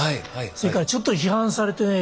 それからちょっと批判されてね